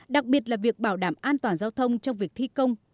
đặc biệt là việc bảo đảm an toàn giao thông trong việc thi công